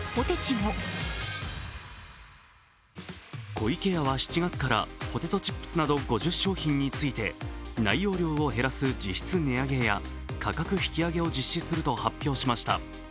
湖池屋は７月からポテトチップスなど５０商品について内容量を減らす実質値上げや価格引き上げを実施すると発表しました。